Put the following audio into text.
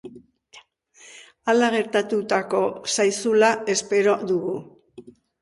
Hala gertatuko zaizula espero dugu.